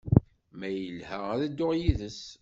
Ma yelḥa, ad dduɣ yid-s.